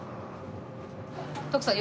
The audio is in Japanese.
徳さん